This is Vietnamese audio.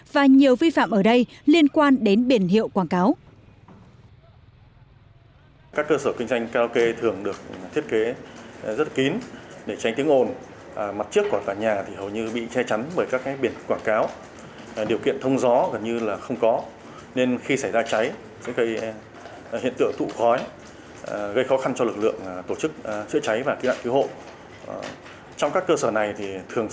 và nhiều vi phạm ở đây liên quan đến biển hiệu quảng cáo